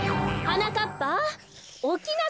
はなかっぱ！